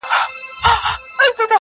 o چي مرگ سوى وو داسي مړی ئې نه وو کړى.